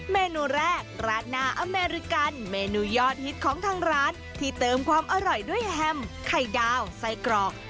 เมนูแรกราดหน้าอเมริกันเมนูยอดฮิตของทางร้านที่เติมความอร่อยด้วยแฮมไข่ดาวไส้กรอก